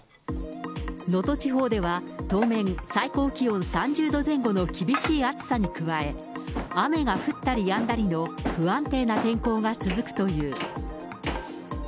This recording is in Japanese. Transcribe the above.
能登地方では、当面、最高気温３０度前後の厳しい暑さに加え、雨が降ったりやんだりの不安定な天候が続くという。